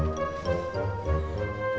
kamu masih bisa main kira kira